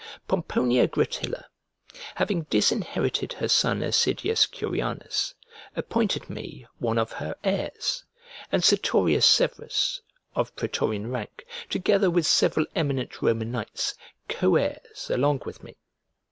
Pomponia Gratilla, having disinherited her son Assidius Curianus, appointed me of one of her heirs, and Sertorius Severus, of pretorian rank, together with several eminent Roman knights, co heirs along with me.